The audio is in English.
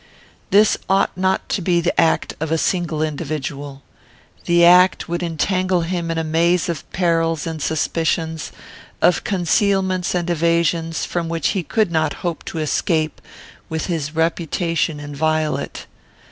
This ought not to be the act of a single individual. This act would entangle him in a maze of perils and suspicions, of concealments and evasions, from which he could not hope to escape with his reputation inviolate.